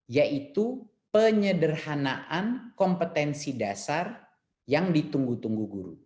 yaitu penyederhanaan kompetensi dasar yang ditunggu tunggu guru